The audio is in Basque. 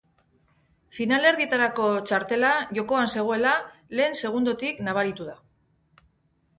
Finalerdietarako txartela jokoan zegoela lehen segundotik nabaritu da.